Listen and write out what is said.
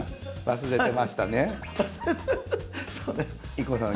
ＩＫＫＯさん